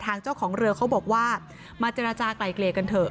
ทางเจ้าของเรือเขาบอกว่ามาเจรจากลายเกลี่ยกันเถอะ